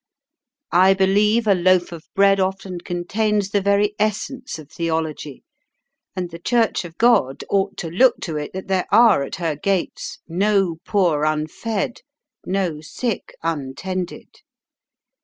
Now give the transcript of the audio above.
"I believe a loaf of bread often contains the very essence of theology, and the Church of God ought to look to it that there are at her gates no, poor unfed, no sick untended."